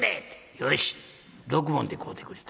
「よし６文で買うてくれた」。